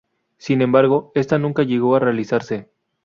Sin embargo, está nunca llegó a realizarse.